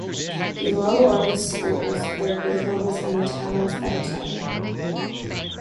Below are the schools, their grade levels, and the towns that attend them.